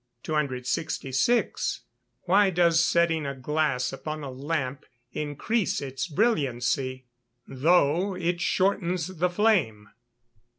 266. _Why does setting a glass upon a lamp increase its brilliancy, though it shortens the flame?